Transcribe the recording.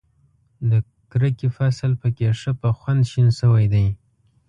د کرکې فصل په کې ښه په خوند شین شوی دی.